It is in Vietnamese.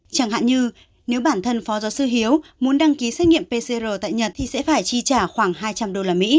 chẳng hạn như nếu bản thân phó giáo sư hiếu muốn đăng ký xét nghiệm pcr tại nhật thì sẽ phải chi trả khoảng hai trăm linh usd